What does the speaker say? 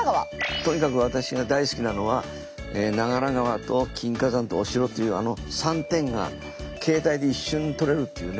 とにかく私が大好きなのは長良川と金華山とお城というあの３点が携帯で一緒に撮れるというね